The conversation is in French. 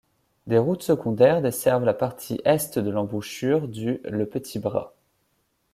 Des routes secondaires desservent la partie Est de l’embouchure du Le Petit Bras.